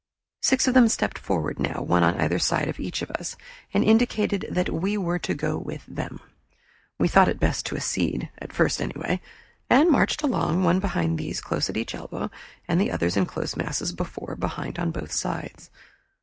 Six of them stepped forward now, one on either side of each of us, and indicated that we were to go with them. We thought it best to accede, at first anyway, and marched along, one of these close at each elbow, and the others in close masses before, behind, on both sides.